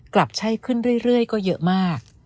กลับใช่ขึ้นเรื่อยก็เยอะมาก